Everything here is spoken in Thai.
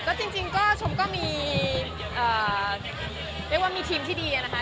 ก็จริงชมก็มีทีมที่ดีนะคะ